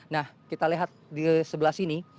nah kita lihat di sebelah sini